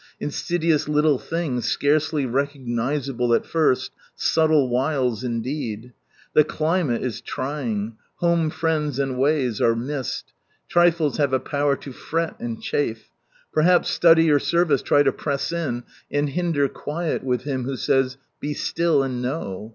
Insidious little things, scarcely recognisable al first, " subtle wiles " indeed. The cHmate is trying. Home friends and ways are missed. Trifles have a power to fret and chafe. Perhaps study or service try to press in and hinder quiet with Him who says, " Be still and know."